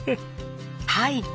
はい。